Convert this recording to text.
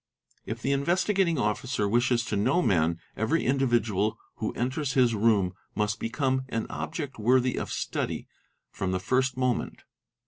If the Investigating Officer wishes ° to know men, every individual who enters his room must become an pre worthy of study from the first moment.